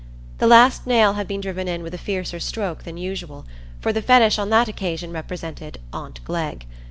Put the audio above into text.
The last nail had been driven in with a fiercer stroke than usual, for the Fetish on that occasion represented aunt Glegg.